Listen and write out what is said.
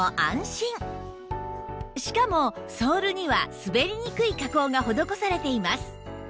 しかもソールには滑りにくい加工が施されています